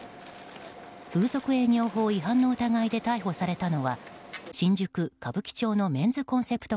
風俗営業法違反の疑いで逮捕されたのは新宿・歌舞伎町のメンズコンセプト